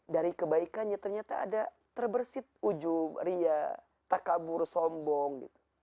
dari kebaikannya ternyata ada terbersih ujung ria takabur sombong